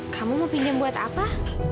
kamu mau pinjam buat apa